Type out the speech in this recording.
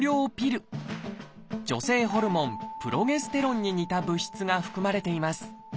女性ホルモンプロゲステロンに似た物質が含まれています。